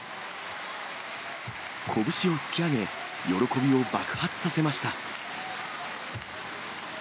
拳を突き上げ、喜びを爆発させました。